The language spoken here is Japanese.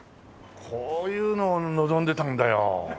こういうのを望んでたんだよ。